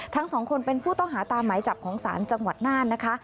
ทั้งสองคนเป็นผู้ต้องหาตามหมายจับของศาลจังหวัดน่านนะคะ